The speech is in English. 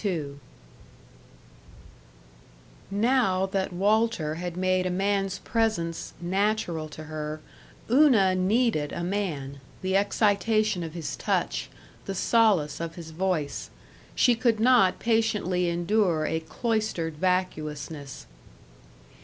§ 5 Now that Walter had made a man's presence natural to her, Una needed a man, the excitation of his touch, the solace of his voice. She could not patiently endure a cloistered vacuousness.